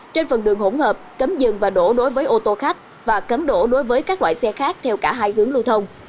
trên phần đường hỗn hợp cấm dừng và đổ đối với ô tô khách và cấm đổ đối với các loại xe khác theo cả hai hướng lưu thông